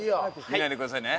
見ないでくださいね。